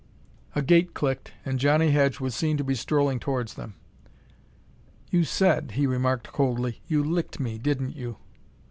A gate clicked, and Johnnie Hedge was seen to be strolling towards them. "You said," he remarked, coldly, "you licked me, didn't you?"